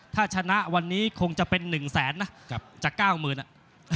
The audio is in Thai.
ถ้าชนะวันนี้คงจะเป็นหนึ่งแสนนะจากก้าวหมื่นน่ะ